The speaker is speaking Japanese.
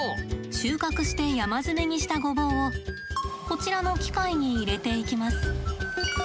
収穫して山積みにしたごぼうをこちらの機械に入れていきます。